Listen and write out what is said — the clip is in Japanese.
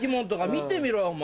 見てみろお前。